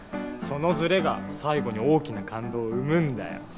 その「ずれ」が最後に大きな感動を生むんだよ。